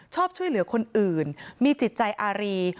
ชอบช่วยเหลือคนอื่นมีจิตใจอารี